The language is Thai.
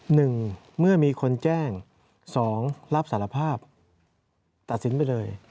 หนึ่งเมื่อมีคนแจ้งสองรับสารภาพตัดสินไปเลย